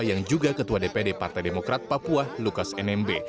yang juga ketua dpd partai demokrat papua lukas nmb